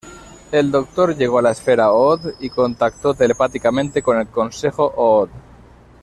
El Doctor llegó a la Esfera Ood y contactó telepáticamente con el Consejo Ood.